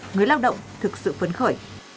người lao động thực sự phấn khởi